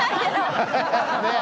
ねえ。